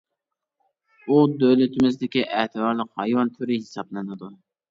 ئۇ دۆلىتىمىزدىكى ئەتىۋارلىق ھايۋان تۈرى ھېسابلىنىدۇ.